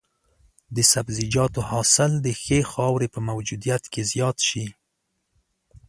د سبزیجاتو حاصل د ښه خاورې په موجودیت کې زیات شي.